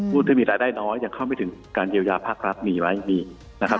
ผู้ที่มีรายได้น้อยยังเข้าไม่ถึงการเยียวยาภาครัฐมีไหมมีนะครับ